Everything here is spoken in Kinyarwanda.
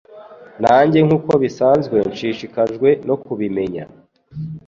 nanjye nkuko bisanzwe nshishikajwe no kubimenya